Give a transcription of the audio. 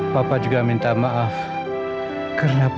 bah qualcosa dimulai